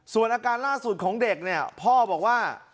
ส่วนอาการล่าสุดของเด็กเนี่ยพ่อบอกว่า